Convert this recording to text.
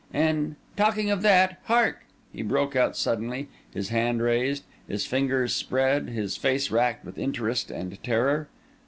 And talking of that—Hark!" he broke out suddenly, his hand raised, his fingers spread, his face racked with interest and terror.